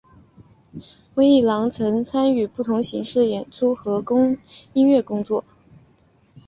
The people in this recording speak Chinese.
温逸朗曾参与不同形式的演出和音乐工作。